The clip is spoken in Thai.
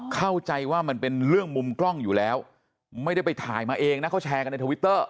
เข้าใจว่ามันเป็นเรื่องมุมกล้องอยู่แล้วไม่ได้ไปถ่ายมาเองนะเขาแชร์กันในทวิตเตอร์